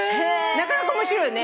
なかなか面白いよね。